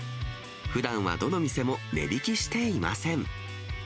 ふだんはどの店も値引きしていません。